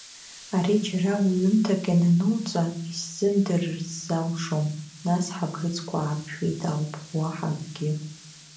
Ари џьара уҩымҭак ианануҵа исзымдырырц залшом, нас ҳабӷьыцқәа ааԥжәеит ауп, уаҳа акгьы.